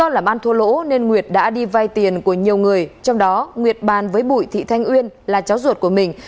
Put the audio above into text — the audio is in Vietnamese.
làm ăn thua lỗ nên nguyệt đã đi vai tiền của nhiều người trong đó nguyệt bàn với bùi thị thanh uyên là cháu ruột của mình